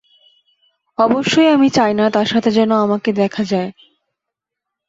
অবশ্যই আমি চাইনা তার সাথে যেন আমাকে দেখা যায়।